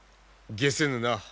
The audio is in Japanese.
げせぬな。